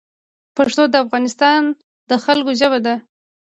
پښتو د افغانستان د خلګو ژبه ده